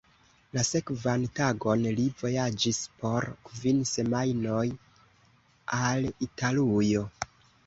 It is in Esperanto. La sekvan tagon li vojaĝis por kvin semajnoj al Italujo.